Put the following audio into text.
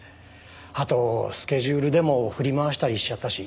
あとスケジュールでも振り回したりしちゃったし。